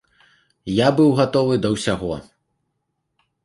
Я быў гатовы да ўсяго.